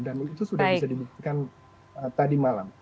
dan itu sudah bisa dibuktikan tadi malam